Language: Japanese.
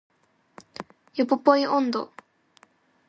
ヨポポイ音頭